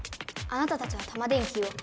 あなたたちはタマ電Ｑを。